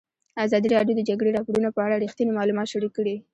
ازادي راډیو د د جګړې راپورونه په اړه رښتیني معلومات شریک کړي.